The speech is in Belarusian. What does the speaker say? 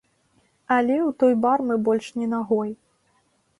Але ў той бар мы больш ні нагой.